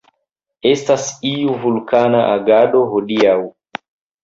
Estas iu vulkana agado hodiaŭ.